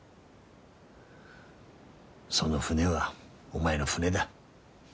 その船はお前の船だ。